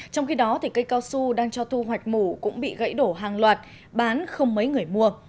trong khi đó cây cao su đang cho thu hoạch mủ cũng bị gãy đổ hàng loạt bán không mấy người mua